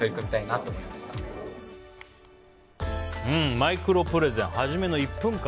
マイクロプレゼン初めの１分間。